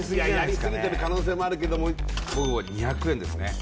やりすぎてる可能性もあるけども僕もう２００円ですね